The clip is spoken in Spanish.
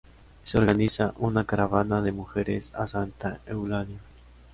Se organiza una caravana de mujeres a Santa Eulalia.